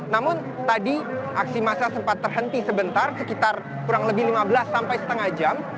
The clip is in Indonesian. namun tadi aksi massa sempat terhenti sebentar sekitar kurang lebih lima belas sampai setengah jam